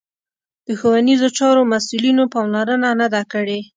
د ښوونیزو چارو مسوولینو پاملرنه نه ده کړې